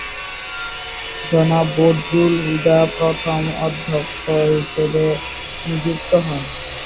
জনাব বদরুল হুদা প্রথম অধ্যক্ষ হিসেবে নিযুক্ত হন।